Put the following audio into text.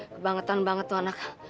kebangetan banget tuh anak